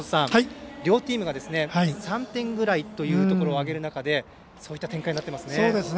両チームが３点ぐらいと挙げる中でそういった展開になっていますね。